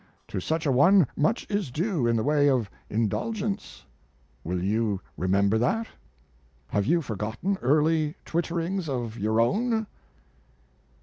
To such a one much is due in the way of indulgence. Will you remember that? Have you forgotten early twitterings of your own?